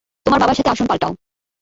তোমার বাবার সাথে আসন পাল্টাও।